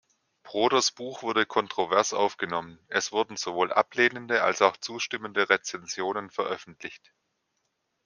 Broders Buch wurde kontrovers aufgenommen; es wurden sowohl ablehnende als auch zustimmende Rezensionen veröffentlicht.